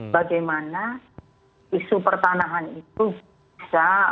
bagaimana isu pertanahan itu bisa